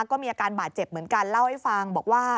ก็มีอาการบาดเจ็บเหมือนกันเล่าให้ฟังบอกว่า